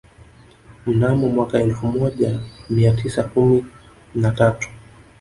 Mnamo mwaka wa elfu moja mia tisa kumi na tatu